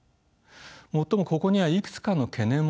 最もここにはいくつかの懸念も残ります。